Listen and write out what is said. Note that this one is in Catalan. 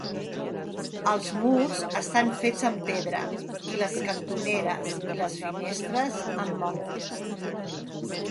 Els murs estan fets amb pedra i les cantoneres i les finestres amb maó.